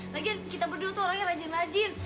lagian kita berdua tuh orangnya rajin rajin